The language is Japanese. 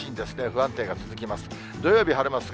不安定が続きます。